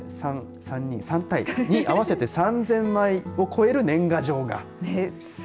この３体に合わせて３０００枚を超える年賀状が。